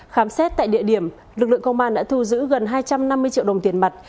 khám xét tại địa điểm lực lượng công an đã thu giữ gần hai trăm năm mươi triệu đồng tiền mặt